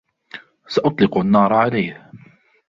سأطلق النار عليه.